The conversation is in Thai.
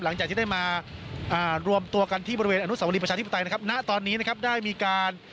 หลังจากที่ได้มารวมตัวกันที่บริเวณอนุสาวรีประชาธิปไตยนะครับณตอนนี้นะครับได้มีการ